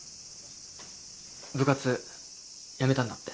部活やめたんだって？